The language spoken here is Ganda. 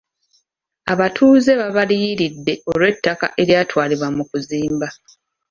Abatuuze baabaliyiridde olw'ettaka eryatwalibwa mu kuzimba.